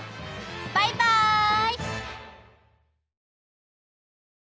バイバイ！